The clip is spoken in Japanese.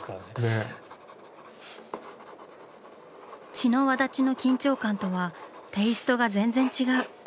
「血の轍」の緊張感とはテイストが全然違う。